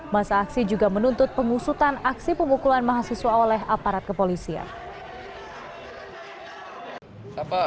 masa aksi juga menuntut pengusutan aksi pemukulan mahasiswa oleh aparat kepolisian